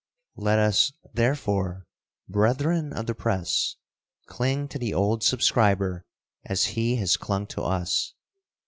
Let us, therefore, brethren of the press, cling to the old subscriber as he has clung to us.